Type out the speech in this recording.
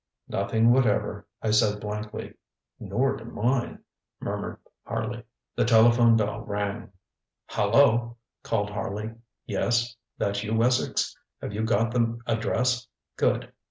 ŌĆØ ŌĆ£Nothing whatever, ŌĆØ I said blankly. ŌĆ£Nor to mine, ŌĆØ murmured Harley. The telephone bell rang. ŌĆ£Hallo! ŌĆØ called Harley. ŌĆ£Yes. That you, Wessex? Have you got the address? Good.